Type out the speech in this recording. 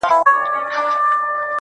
لوړ دی ورگورمه، تر ټولو غرو پامير ښه دی